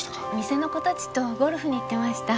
店の子たちとゴルフに行ってました。